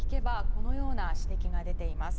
このような指摘が出ています。